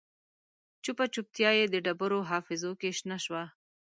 چوپه چوپتیا یې د ډبرو حافظو کې شنه شوه